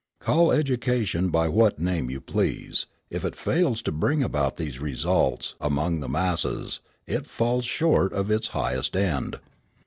Call education by what name you please, if it fails to bring about these results among the masses, it falls short of its highest end.